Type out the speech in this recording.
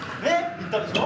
言ったでしょ。